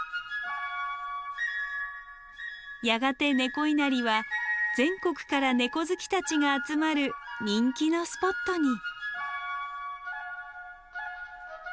やがて猫稲荷は全国から猫好きたちが集まる人気のスポットに。